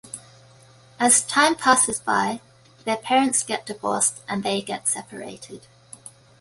As time passes by their parents get divorced and they get separated.